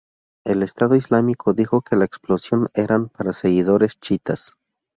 El Estado Islámico dijo que la explosión eran para seguidores chiítas.